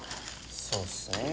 そうっすね。